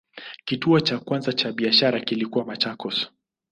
Kituo cha kwanza cha biashara kilikuwa Machakos.